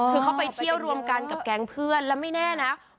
คือเขาไปเที่ยวรวมกันกับแก๊งเพื่อนแล้วไม่แน่นะ